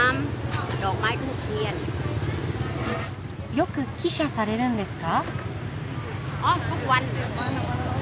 よく喜捨されるんですか？